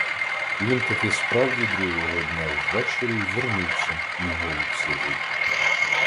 Він таки справді другого дня ввечері й вернувся, мій голуб сизий.